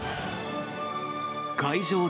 会場